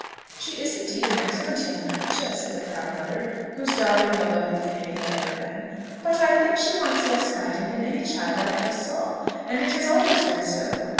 "She is indeed an excellent young creature!" said the proud mother, whose darling the lovely Fanny had ever been; "but I think she wants less guiding than any child I ever saw, and it has always been so.